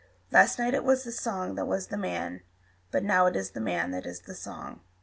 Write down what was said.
Last night it was the song that was the man, But now it is the man that is the song.